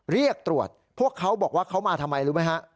เรียกตรวจพวกเขาบอกว่าเขามาทำไมรู้ไหมฮะ